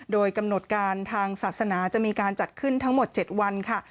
โดยกำหนดการทางศาสนาจะมีการจัดขึ้นทั้งหมด๗วันค่ะ